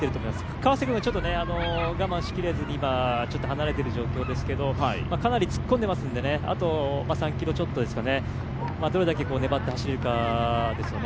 川瀬君はちょっと我慢しきれずにちょっと離れている状況ですけどかなり突っ込んでますので、あと３ｋｍちょっとですかね、どれだけ粘って走れるかですよね。